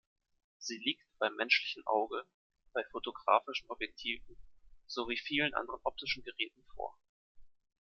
Sie liegt beim menschlichen Auge, bei fotografischen Objektiven sowie vielen anderen optischen Geräten vor.